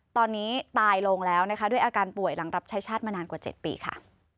ตอนนี้ตายลงแล้วนะคะด้วยอาการป่วยหลังรับใช้ชาติมานานกว่า๗ปีค่ะ